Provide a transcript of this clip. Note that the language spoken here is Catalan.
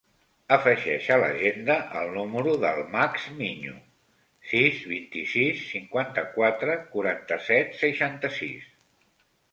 Afegeix a l'agenda el número del Max Miño: sis, vint-i-sis, cinquanta-quatre, quaranta-set, seixanta-sis.